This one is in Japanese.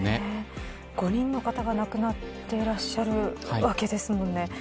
５人の方が亡くなっていらっしゃるわけですもんね。